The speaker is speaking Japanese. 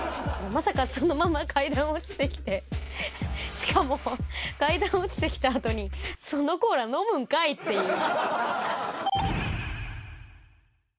まさかそのまま階段落ちてきて、しかも階段落ちてきたあとに、そのコーラ飲むんかいっていう。